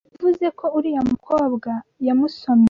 Yavuze ko uriya mukobwa yamusomye.